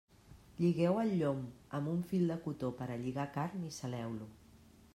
Lligueu el llom amb un fil de cotó per a lligar carn i saleu-lo.